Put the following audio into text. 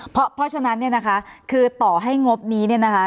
เพราะฉะนั้นนะคะคือต่อให้งบนี้นะคะ